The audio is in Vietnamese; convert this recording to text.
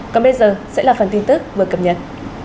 còn bây giờ sẽ là phần tin tức vừa cập nhật